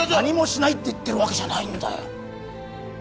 何もしないって言ってるわけじゃないんだよ